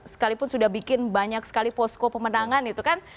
sekalipun sudah bikin banyak sekali posko pemenangan itu kan